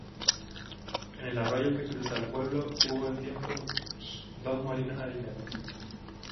En el arroyo que cruza el pueblo hubo en tiempos dos molinos harineros.